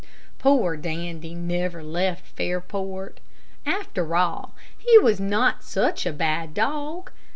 Poor Dandy never left Fairport. After all, he was not such a bad dog.